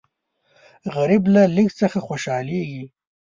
غریب له لږ څه خوشالېږي